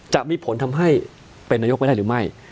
จะมีผลทำให้เป็นนายกไม่ได้หรือไม่